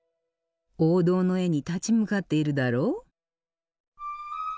王道の絵に立ち向かっているだろ？